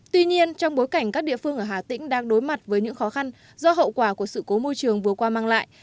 tuy nhiên trong bối cảnh các địa phương ở hà tĩnh đang đối mặt với những khó khăn do hậu quả của sự cố môi trường vừa qua mang lại